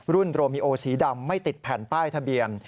โรมิโอสีดำไม่ติดแผ่นป้ายทะเบียน